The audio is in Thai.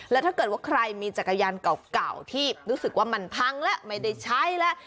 แล้วถ้าเกิดว่าใครมีจักรยานเก่าที่รู้สึกว่ามันพังแล้วไม่ได้ใช้แล้ว